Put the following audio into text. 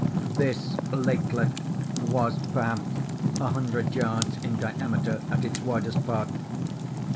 This lakelet was, perhaps, a hundred yards in diameter at its widest part.